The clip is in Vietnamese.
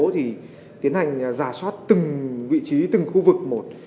thì tiến hành giả soát từng vị trí từng khu vực một